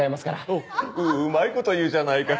おっうまいこと言うじゃないか。